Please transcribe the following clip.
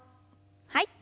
はい。